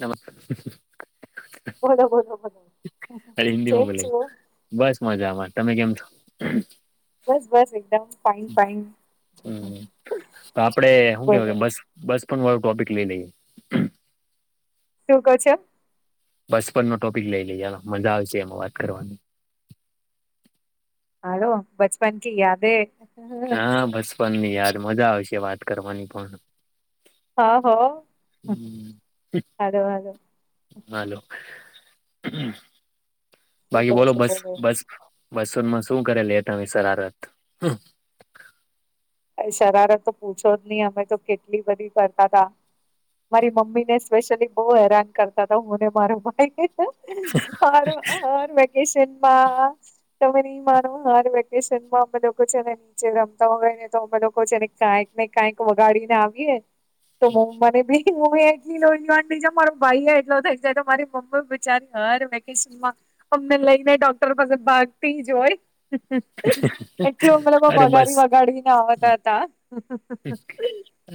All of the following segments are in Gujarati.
નમસ્કાર [unintelligible] બોલો બોલોો બોલો [unintelligible] આજે હિન્દી કેમ માં છો બોલીએ બસ મજા આમાં તમે કેમ છો. બસ બસ એકદમ ફઇન ફઇન હમ તો આપડે શું બબ કેવાય બસ પણ મારુ ટોપિક લઈ લઈએ શું ક છો બચપન નો ટોપિક લઈ લઈએ મજા આવશે એમાં વાત કરવાની હાલો બચપન કી યાદે હા બચપન ની યાદ મજા આવશે વાત કરવાની પણ હા હ હમ હાલો. શું કહો બાકી બોલો છો બસ બસ બચપન માં શું કરે લે તમે શરારત શરારત તો પૂછો જ નહી અમે તો કેટલી બધી કરતા તા મારી મમ્મી ને સ્પેશિયલી બહુ હેરાન કરતા હતા હુંને મારો ભાઈ હર હર વેકેશનમાં તમે માનો હાલ વેકેશન માં અમે લોકો છે અને નીચે રમતા હોય ને તો અમે લોકો એને કાંક ને કઈક વગાડીને આવીએ તો મમ્ મને બી હું એટલી લોજ મારો ભાઈ એટલો થઈ જાય તો મારી મમ્મી બચારી હર વેકેશન માં અમને લઈને ડોક્ટર પાસે ભાગતી જ હોય. એટલી ઉમરેમાં અરે બસ બગાડી વગાડીને આવતા હતા.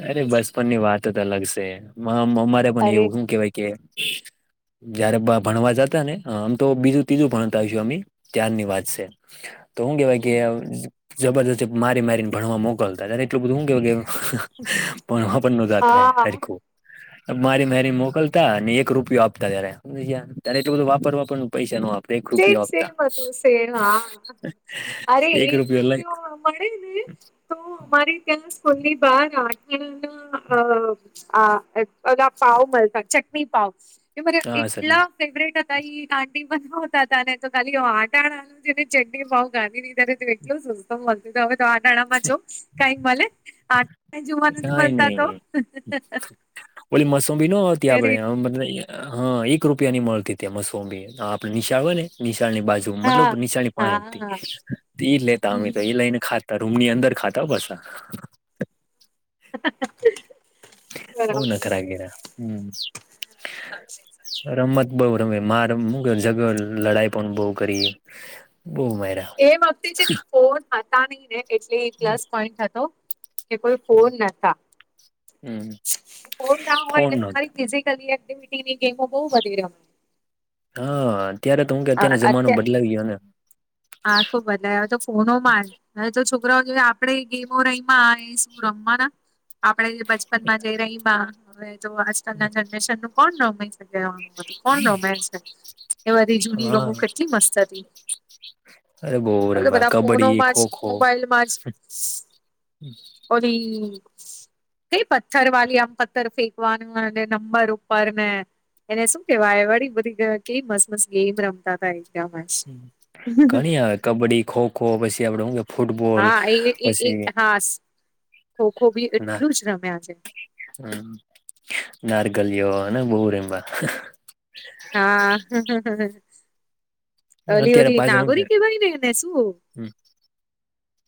અરે બચપન ની વાત તો અલગ છે અમારે પણ અરે એવું શું કેવાય કે જયારે ભણવા જતા ને આમ તો બીજું ત્રીજું ભણતાશું અમ ત્યાારની વાત છે. તો હું કેવાય કે જબરજસ્ત મારી મારીને ભણવા મોકલતા ત એટલું બધું પણ હ પણ ન જતા હર કો હ‌. મારી મેરી મોકલતા અનેને એક રૂપિયો આપતા ત્યારે સમ ત્યારે એટલલો બધું વાપર વાપર પૈસા નો આપ સેમ સેમ હતું સેમ હા અરે એક રૂપિયો મળે ને તો અમારે ત્યાં સ્કૂલની બાર આંગણાના અ આ અા પાાવ મળસા ચટણી પાાવ. મ હા સર એટલા ફેવરેટ હતા કાંડી બનાવ ને તો ખાલી આટાને ચટણી ભાવ ગાનીીધનેું એટલું સુંમ હવે તો આટણામાં જો કઈક મળ આ કઈ નઈ ઓલી મસમી ન આવતી ત્યારે આપડે મ હા એક રૂપિયા ની મળતી ત્યા મસંબી આપડે નિશાળ હોય ને નિશાળ ની બાજુ મતલબ હા નીચાની હા પાસે હા એ લેતા અમે તો હમ, એ લઈને ખા રૂમ ની અંદર ખાતા હો પાસા બઉ બરાબર નખરા ગીરા રમત બઉ રમે માર મુ જગ લડાઈ પણ બઉ કરી બહ મારા. એમ આપતી છે ને ફોન હતા નહી ને એટલે એ પ્લસ પોઈન્ટ હતો કે કોઈ ફોન ન હમ ફોન ના હોય ફોન એટલે નતો તમારી ફિઝ એક્ટિવિટીની ગેમો બહુ વધી ર છે. હા અત્યારે તો હું કે અત્યારેનો જમાનો બદલાવી ગયો હે. હા ખુબ બનાયો તો ફોનોમા હવે તો છોકરાઓ જે આપણેે ગેમો રઈમાં શું રમવાનાં? આપણેે જે બચપનમાં જે રયમા હવે તો આજકાલના જનરેશનનું કોણ રમે? કોણ રમે છે? એ બધી જૂની હા ગેમો કેટલી મસ્ત હતી. અરે બોવ. અવે તો બધા ફોનોમાં જ મોબાઈલમાં જ બધી કઈ પથ્થરવાળી આમ પથ્થર ફેંકવાનું અને નંબર ઉપર ને એને શું કેવાય વળી બધી કેવી મસ્ત મસ્ત ગેમ રમતા તા એકદમ જ. ઘણી આવે કબડ્ડી, ખોખો પછી આપડે હું કે ફૂટબોલ હા એ એ એ પસી હા ખોખો બી એટલું જ રમ્યા છે. હમ્મ નારગલીયો અને બઉ રમયા. હા ઓલી અત્યારે ઓલી પાછા હું કે નાગોરી કેવાયને એને? ને શું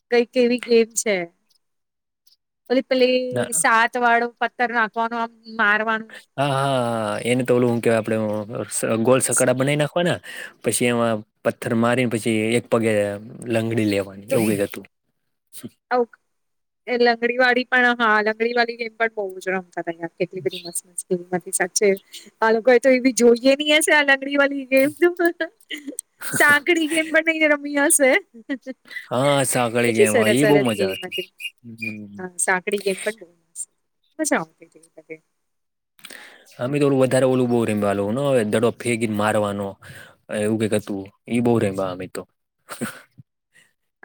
કઈક એવી ગેમ છે. પહી પેલી ના સાતવાળો પથ્થર નાખવાનું આમ મારવાનું હા હા હા એને તો ઓલું હું કેવાય આપડે ગોલ સકડા બનાઈ નાખવાના પસી એમાં પથ્થર મારીને પછી એક પગે લંગડી લેવાની તો એવું કંઈક હતું. આવું લંગડીવાળી પણ હા લંગડીવાળી ગેમ પણ બહુ જ રમતા હતા. કેટલી બધી મસ્ત મસ્ત ગેમ હતી સાચે, આ લોકોએ તો એવી જોઈએ નઈ હશે આ લંગડીવાળી ગેમ તો સાંકડી ગેમ પણ નઈ રમી હશે. હા સાંકળી એટલી ગેમ એ સરસ બહુ સરસ મજા ગેમ આવતી. હતી હા સાંકડી કેમ પણ [unintelligible] અમે તો ઓલુ વધારે ઓલું બઉ રયમા દડો ફેંકી ન મારવાનો. એવું કંઈક હતું ઈ બઉ રયમા અમે તો.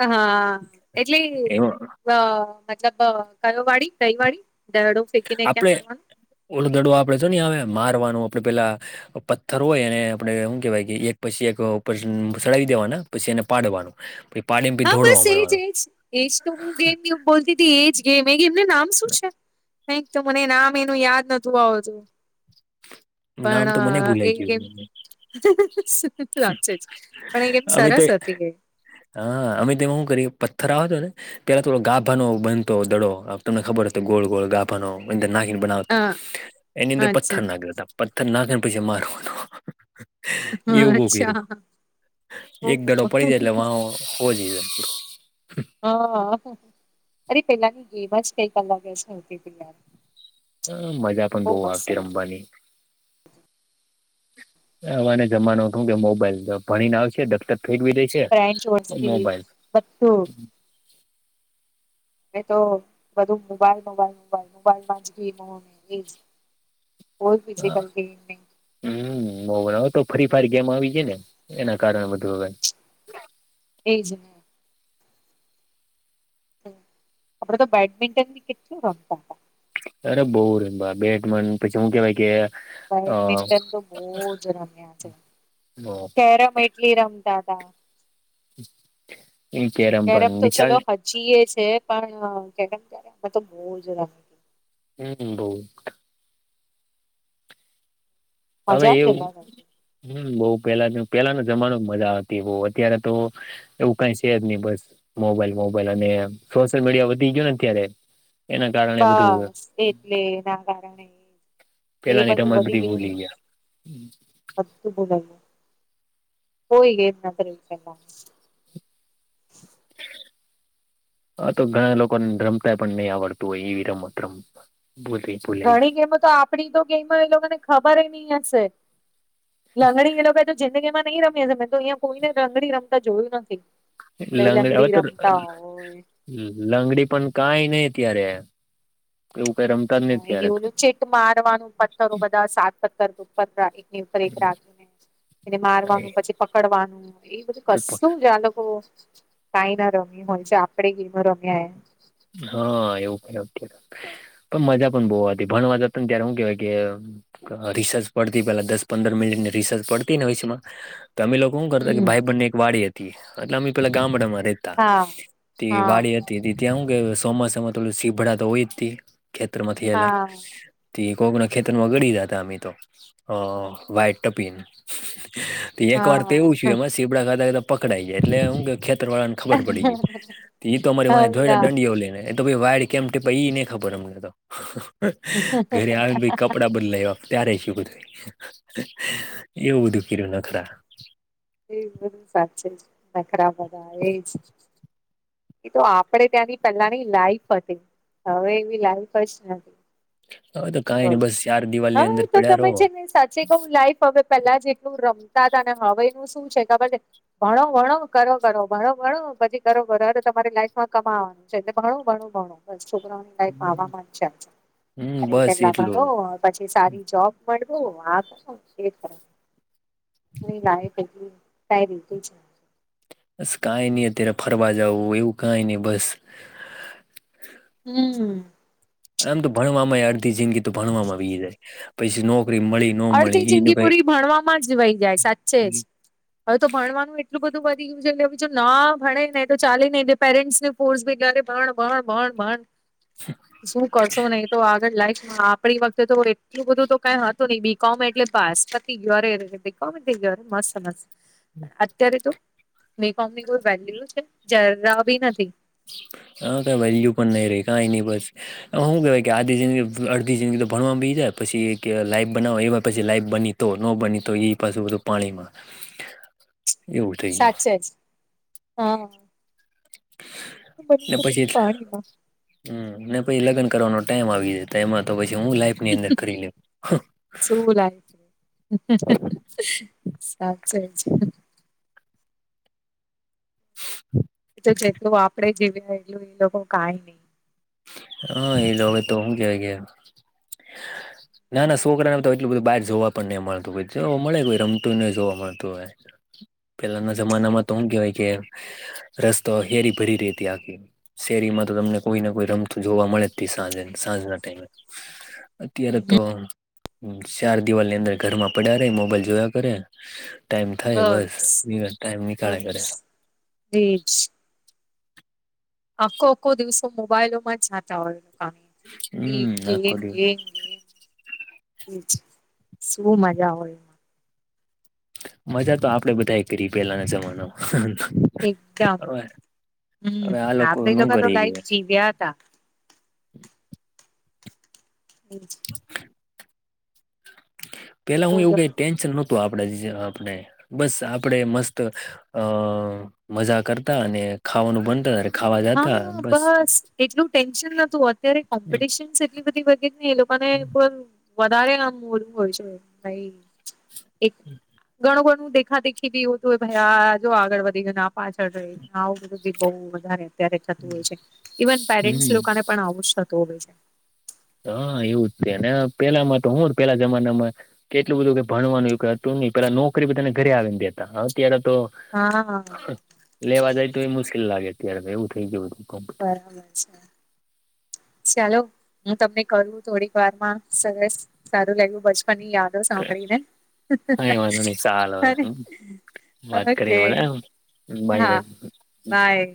હા એટલે એમાં અ મતલબ અ કયો વાળી કઈ વાળી દળો આપડે ઓલો દડું આપડે જો નહીં આવે મારવાનું આપડે પેલા પથ્થર હોય એને આપડે હું કેવાય કે એક પછી એક ઉપર સડાઈ દેવાના પછી એને પાડવાનું. પી હા બસ એજ એજ એજ તો હું ગેમ બોલતી હતી એજ ગેમ એ ગેમનું નામ શું છે? કંઈક તો મને નામ એનું યાદ નતું આવતું. નામ તો મને પણ ભૂલાઈ એક ગેમ. ગયું. સાચે જ પણ એ ગેમ અમે તો સરસ હતી. હા, અમે તેમાં હું કરીએ પથ્થર આવા તો ને પહેલા થોડો ગાભાનો બનતો દડો આમ તમને ખબર હોય તો ગોળ ગોળ ગાભા નો એન અંદર નાખીને બનાવતા હા એની અંદર પથ્થર અચ્છા નાખતાં હતાં. પથ્થર નાખીને પછી મારવાનું. હા એવું બવ અચ્છા કર્યુ એક દડો ઓહો પડી જાય એટલે વા હો જઈએ અ હ અરે પેહલાની ગેમ જ કંઈક અલગ જ હતી યાર. અ મજા પણ બહુ બવ મસ્ત આવતી હતી રમવાની. હવેના જમાનામાં તો હું કેવાય મોબાઈલ ભણીને આવશે, દફતર ફેંકવી દઈ છે ફ્રેન્ચ વરસથી મોબાઈલ. બધું મેં તો બધું મોબાઈલ મોબાઈલ મોબાઈલ મોબાઈલમા જ ગેમો એજ [unintelligible] હમ્મ, મો વર તો ફરી પાહી ગેમ આવી જાય ને એના કારણે બધું હવે. એજ. હ આપણે તો બેડમિન્ટન બી કેટલું રમતા તા. અરે બો ર બેટમેનુ પછી હું કેવાય કે અ બેડમિન્ટન તો બો જ રમ્યા છે. કેરમેય લી રમતા તા. કેરમ પણ તો નિશાલ ચલો હ જીએ છે, પણ કે ત્યારે અમે તો બો જ રમી. હમ બો. મજા હવે જ એવું અલગ હતી. હમ બો પેલા પેલાનો જમાનો મજા આવતી વો, ત્યારે તો એવું કઈ સે જ નઈ, બસ મોબાઈલ મોબાઈલ અને સોશિયલ મીડિયા વધી ગીયો ને અત્યારે એના કારણે બધું. લે ના કારણે. એ પેલા ની બધું રમટ વધી બઢી ગયું ને ભૂલી ગીયા. બધું ભુલાયુ. કોઈ એ નકરે વિચાર ના હ તો ઘણા લોકોને રમતા પણ નઈ આવડતું હોય, એવી રમત રમ બુધી. ઘણી ગેમો તો આપડણી તો ગેમો એ લોકોને ખબરે નઈ હસે. લંગડી એ લોકો તો જિંદગીમાં નઈ રમી સે, મેં તો અઈયા કોઈને લંગડી રમતા જોયું નથી. કઈ લંગડ અને લંગડી તો. રમતા હોય લંગડી પણ કાઈ નઈ અત્યારે, એવું કઇ રમ હ અને ઓલું ચેક મારવાનું પત્તરો બધા સાત પત્તર પત્તા, એકની ઉપર એક રાખીને એને મારવાનું પછી પકડવાનું. એ બધું કશું જ આ લોકો કાઈ ના રમી હોય છે, આપણેે ગેમો રમ્યા એ. હા એ ઓકે ઓકે. પન મજા પન બઉ હતી ભનવા જતો ને, ત્યારે હુ કેવાય કે અ રિસસ પડતી પેલા દસ પંદર મિલિટની રિસસ પડતી હોય સે ને અમા. તમે લોકો હુ કરતા કે હમ ભાઈ બ ને એક વાડી હતી, એટલે અમે પેલા ગામડામાં રે તા. હા તે હા વાડી હતી તી ત્યાં હું કે સોમાસામાં ત લું સીભડા તો ઓય જ તે ખેતર માં થી હેલા. હા તી કોકના ખેતરમાં ગડી જતા અમી તો, અ વાઈટ ટપીન. તી એક વાર તો એવું સીયુ એમાં સીભડા ખાતા ખાતા પકડાઈ ગીયા એટલે હું કે ખેતર વાળાનું ખબર પડી ગી. તી તો અમારે વા હા ઈયો લેવે ત બી વાળી કેમ કે નઈ એને ખબર અમને ત. ઘરે આવી ન પઈ ત કપડા બદલાયા ત્યારે સીયુ બધુ એય, એવું બધું કર્યું નખરા. એ બધુ સાચે જ નખરા બધા એજ એ તો આપડે ત્યાંની પેલાની લાઈફ હતી, હવે એવી લાઈફ જ નથી. હવે કાઈ નઈ તો બસ ચાર દિવાલની હા અંદર તો પડ્યા તમે રહો છે ને સાચે તો લાઈફ હવે પેલા જેટલું રમતા હતા ને, હવે એનું શું છે ખબર છે. ભણો ભણો કરો કરો ભણો ભણો પછી કરો અવે ત તમારે લાઈફમાં કમાવાનું. જે તે ભણું ભણું ભણું બસ છોકરાઓની લાઈફમા આવા માનસે. હમ બ પેલા ભનો પછી સારી જોબ મળવુ, આ કરવુ તે કરવુ. [unintelligible] બસ કાઈ નઈ અત્યારે ફરવા જવું, એવું કાઈ ની બસ. હમ. એમ તો ભણવામાંયે અડધી જિંદગી તો ભણવામાં વીહી જાય, પસી નોકરી મળીન અડધી જિંદગી પુરી ભણવામાં જ વહી જાય, સાચે જ. હવે તો ભણવાનું એટલું બધું વધી ગયું છે એટલે હવે જો ના ભણે ને તો ચાલે નને એ પેરેન્ટ્સ ને ફોર્સ બી ગ ભણ ભણ ભણ ભણ શું કરશો નહી તો આગળ લાઈફમાં આપડી વખતે તો એટલું બધું તો કઈ હત તું નહીં બીકોમ એટલે પાસ પતી ગયું અરે રે બીકોમ જરે મસ્ત મસ્ત અત્યારે તો બીકોમ ની કોઈ વેલ્યુ છે જરા બી નથી. હા કઈ વેલ્યુ પણ નઈ રે કઈ નહી બસ એ શું કેહેવાય કે આધી જિંદગી અડધી જિંદગી તો ભણવાવામાં બી જાય પછી કે લાઈફ બનાવ એવ પછી લાઈફ બની તો ન બની તો એ પાછુ બધું પાણીમાં એવું થઈ ગયું સાચ જ હા બની એ તો પછી બધું પાણીમાં હમ પછી લગન કરવાનો ટાઈમ આવી જ એમાં તો પછી હુ લાઈ ની અંદર કરી લેવુ શું લાઈફ સાચે જ હ તો જેટલું આપડે જીવ્યા એટલું એ લોકો કઈ નહી. હા એ લોકોે તો હુજ, ગયા. હમ [unintelligible] ના ના સોકડા ને તો એટલું બધું બહાર જોવા પણ નહીઈ, મળતું જોવા મળે કોઈ રમતું ન જોવા મળતુ હોય. પેલાના જમાનામાં તો શું કેવાય કે રસ્તો હેરી ભરી રહી હતી, આખી શેરીમાં તો તમને કોઈને કોઈ રમ જોવા મળે જ સાંજે સાંજના ટાઈમે, અત્યારે તો ચાર દિવાલની અંદર ઘરમાં પડ્યા ર મોબાઈલ જોયા કરે ટાઈમ થાય બસ બસ ટાઈમ નીકળે કરે બ્રિજ આખો આખો દિવસો મોબાઈલોમાં જ જાતા હોય. ગેમ હમ આખો ગેમ દિવસ ગેમ શું મજા આવે એ મા મજા તો આપડે બધા કરી પેલાના જમાનામા એકદમ હમ હવે આ આપ એ ન લોકો તો કરી ગયા લાઈફ જીવ્યા હતા. હમ [unintelligible] [inaudible] પેલા હુ, એવું બોલો કઈ ટેન્શન નહોતું આપડે જે આપણે. બસ આપડે મસ્ત અ મજા કરતા અને ખાવાનું બનતા. ખાવા જતા હા બસ એટલું ટેન્શન નતું અત્યારે કોમ્પિટિશનસ એટલી બધી વધી એ લોકોને પણ વધારે આ ઓલું હોય છે, ભાઈ એક ઘણું બધુ એક ખાતે ખીધી હોતુ ભાઈ આ જો આગળ વધી ગયું આ પાછળ રહી ગયુ, આ બહુ વધારે અત્યારે થતું છે, ઇવન પેરેન્ટસ હમ લોકા ને પણ આવું જ થતું હોય છે. હા એવું જ છેને, પેલામાં તો હું પેલા જમાના મા કેટલું બધું કે ભણવાનું કે એવું બધું કઈ હતુ, નહી પેલા નોકરી બધાને ઘરે આવીને દેતા અત્યારે તો હા આ લેવા જાય તો એ મુશ્કેલ લાગે અત્યારે એવું થઈ ગયુ હતુ. બરાબર છે, ચાલો હુ તમને કરું થોડીક વાર માં સરસ સારું લાગ્યું બચપન ની યાદ સાંભળીને કઈ વાંધો નહી ચાલ વાત ઓકે કરીને એમ ભાઈ હા ભાઈ બાય